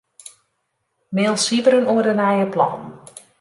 Mail Sybren oer de nije plannen.